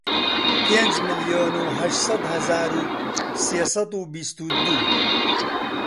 پێنج ملیۆن و هەشت سەد هەزار و سێ سەد و بیست و دوو